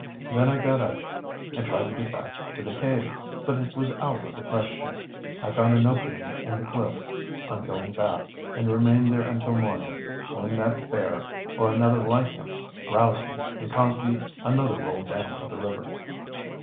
Then I got up and tried to get back to the cave, but it was out of the question. I found an opening in the cliff, on going back, and remained there until morning, when that bear, or another like him, roused me and caused me another roll down to the river."